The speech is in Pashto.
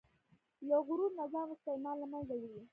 له غرور نه ځان وساته، ایمان له منځه وړي.